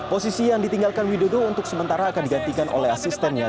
posisi yang ditinggalkan widodo untuk sementara akan digantikan oleh asistennya